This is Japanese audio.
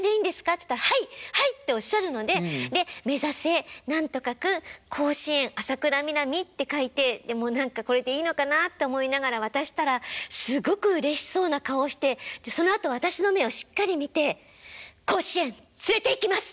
っつったら「はいはい！」っておっしゃるのでで「めざせ何とか君甲子園！浅倉南」って書いてもう何かこれでいいのかなって思いながら渡したらすごくうれしそうな顔をしてそのあと私の目をしっかり見て「甲子園連れていきます！」